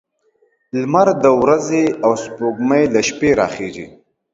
لمر د ورځې او سپوږمۍ له شپې راخيژي